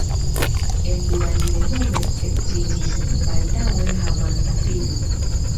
En Buda li denove edziĝis baldaŭe havanta filon.